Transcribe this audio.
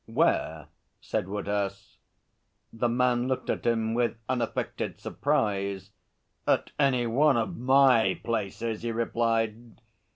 'Where?' said Woodhouse. The man looked at him with unaffected surprise. 'At any one of My places,' he replied.